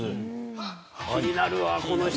気になるわ、この人。